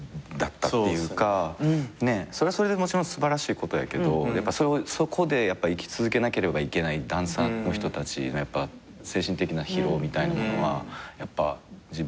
それはそれでもちろん素晴らしいことやけどそこで生き続けなければいけないダンサーの人たちの精神的な疲労みたいなものは自分なりにも見てきたつもりやし。